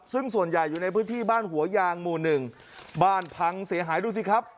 ซึ่งส่วนใหญ่อยู่ในพื้นที่บ้านหัวยางหมู่หนึ่งบ้านพังเสียหายดูสิครับ